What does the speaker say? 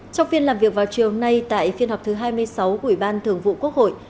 trong phiên làm việc vào chiều nay tại phiên họp thứ hai mươi sáu của ủy ban thường vụ quốc hội